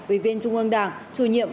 ủy viên trung ương đảng chủ nhiệm